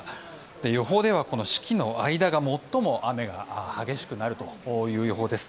予報ではこの式の間が最も雨が激しくなるという予報です。